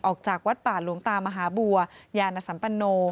ออกจากวัดป่าหลวงตามหาบัวยานสัมปโน